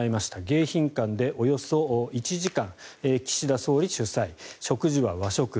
迎賓館でおよそ１時間岸田総理主催食事は和食。